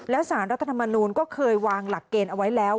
และสารรัฐธรรมนูลก็เคยวางหลักเกณฑ์เอาไว้แล้ว